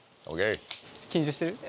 緊張してる？